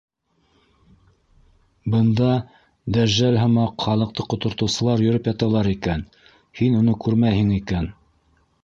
— Бында, дәжжәл һымаҡ, халыҡты ҡотортоусылар йөрөп яталар икән, һин уны күрмәйһең икән.